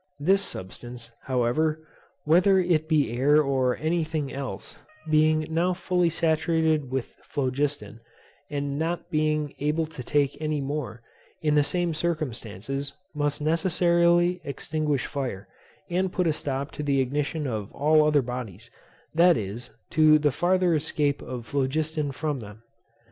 This substance, however, whether it be air or any thing else, being now fully saturated with phlogiston, and not being able to take any more, in the same circumstances, must necessarily extinguish fire, and put a stop to the ignition of all other bodies, that is, to the farther escape of phlogiston from them.